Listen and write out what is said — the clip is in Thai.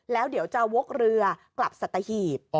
แล้วเดี๋ยวจะวกเรือกลับสัตหีบ